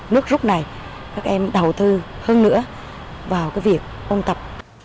nước rút này các em đầu tư hơn nữa vào cái việc ôn tập